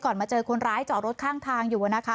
ก่อนมาเจอคนร้ายเจาะรถข้างทางอยู่อ่ะนะคะ